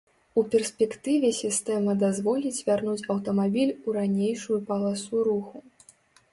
У перспектыве сістэма дазволіць вярнуць аўтамабіль у ранейшую паласу руху.